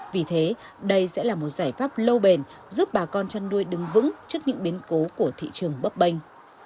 vì thế đây sẽ là một giải pháp lâu bền giúp bà con chăn nuôi đứng vững trước những biến cố của thị trường bấp bênh